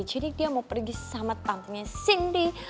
jadi dia mau pergi sama tantenya cindy